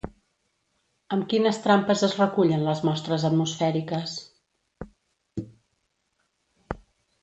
Amb quines trampes es recullen les mostres atmosfèriques?